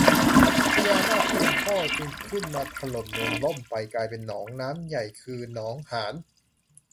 พญานาคผู้เป็นพ่อจึงขึ้นมาถล่มเมืองล่มไป กลายเป็นหนองน้ำใหญ่ คือ หนองหาน